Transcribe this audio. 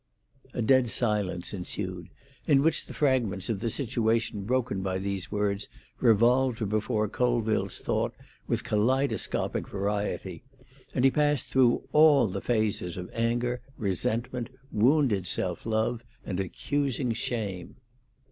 A dead silence ensued, in which the fragments of the situation broken by these words revolved before Colville's thought with kaleidoscopic variety, and he passed through all the phases of anger, resentment, wounded self love, and accusing shame.